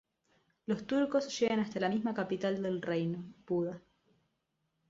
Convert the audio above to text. Los turcos llegan hasta la misma capital del reino, Buda.